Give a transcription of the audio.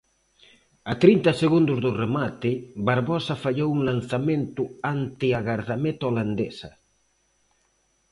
A trinta segundos do remate, Barbosa fallou un lanzamento ante a gardameta holandesa.